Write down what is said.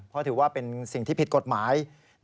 เพราะถือว่าเป็นสิ่งที่ผิดกฎหมาย